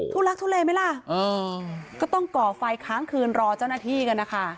ทุลักทุเลไหมล่ะก็ต้องก่อไฟค้างคืนรอเจ้าหน้าที่กันนะคะ